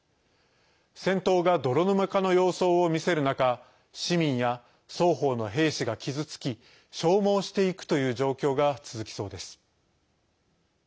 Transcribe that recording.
戦闘が泥沼化の様相を見せる中市民や双方の兵士が傷つき、消耗していくという状況が続きそうです。